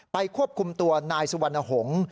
ควบคุมตัวนายสุวรรณหงษ์